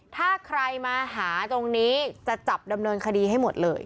ถ้าใครมาหาตรงนี้จะจับดำเนินคดีให้หมดเลย